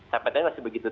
sampai tadi masih begitu